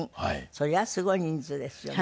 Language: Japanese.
そりゃすごい人数ですよね。